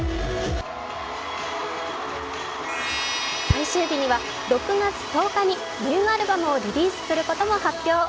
最終日には、６月１０日にニューアルバムをリリースすることも発表。